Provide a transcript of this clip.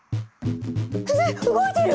動いてる！